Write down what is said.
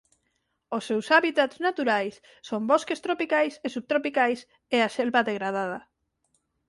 Os seus hábitats naturais son bosques tropicais e subtropicais e a selva degradada.